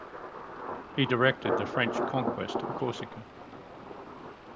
He directed the French conquest of Corsica.